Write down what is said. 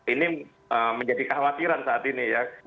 ini menjadi kekhawatiran saat ini ya